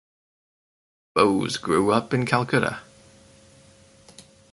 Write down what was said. Bose grew up in Calcutta.